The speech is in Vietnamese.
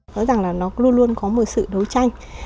nói rằng là nó luôn luôn có một sự đấu tranh